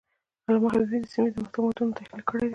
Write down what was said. علامه حبيبي د سیمې د تمدنونو تحلیل کړی دی.